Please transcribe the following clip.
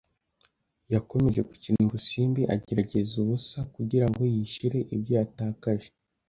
Yakomeje gukina urusimbi, agerageza ubusa kugira ngo yishyure ibyo yatakaje.